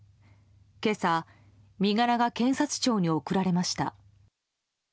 今朝、身柄が検察庁に送られました。